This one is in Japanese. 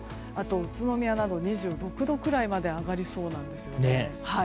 宇都宮も２６度くらいまで上がりそうなんですね。